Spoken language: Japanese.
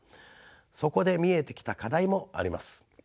そこで見えてきた課題もあります。